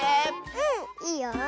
うんいいよ。